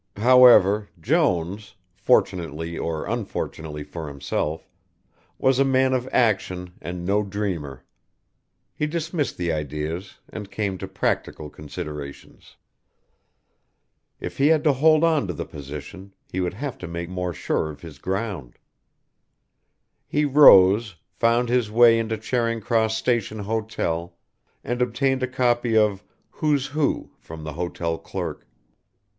However, Jones, fortunately or unfortunately for himself, was a man of action and no dreamer. He dismissed the ideas and came to practical considerations. If he had to hold on to the position, he would have to make more sure of his ground. He rose, found his way into Charing Cross Station Hotel, and obtained a copy of "Who's Who" from the hotel clerk.